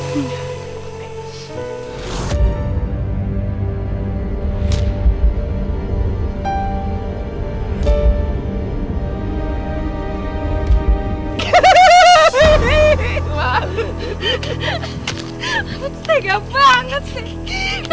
kamu tega banget sih